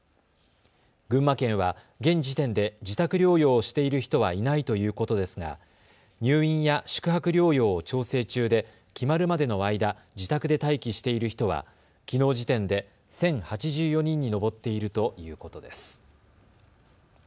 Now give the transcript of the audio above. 群馬県は現時点で自宅療養をしている人はいないということですが入院や宿泊療養を調整中で決まるまでの間、自宅で待機している人はきのう時点で１０８４人に上っているということです。